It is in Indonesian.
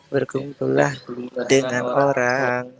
berkumpulah dengan orang